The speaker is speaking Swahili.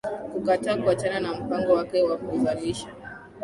kukataa kuachana na mpango wake wa kuzalisha